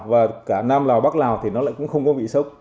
và cả nam lào bắc lào thì nó lại cũng không có vị sốc